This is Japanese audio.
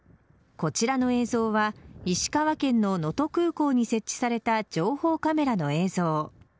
こちらの映像は石川県の能登空港に設置された情報カメラの映像。